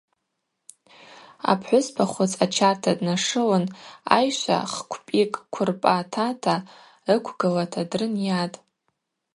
Апхӏвыспа хвыц ачарта днашылын, айшва хквпӏикӏ квырпӏа тата ыквгылата дрынйатӏ.